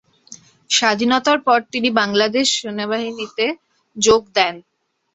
স্বাধীনতার পর তিনি বাংলাদেশ সেনাবাহিনীতে যোগ দেন।